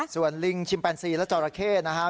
ส่วนลิงชิมแปนซีและจอราเข้นะฮะ